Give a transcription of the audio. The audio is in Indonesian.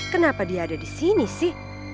kenapa dia ada disini sih